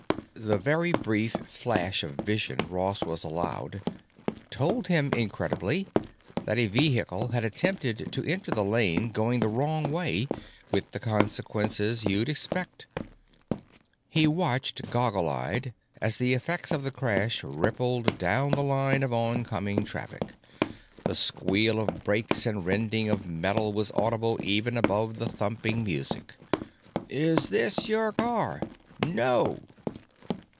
The very brief flash of vision Ross was allowed told him, incredibly, that a vehicle had attempted to enter the lane going the wrong way, with the consequences you'd expect. He watched, goggle eyed, as the effects of the crash rippled down the line of oncoming traffic. The squeal of brakes and rending of metal was audible even above the thumping music: "Is this your car?" "NO!"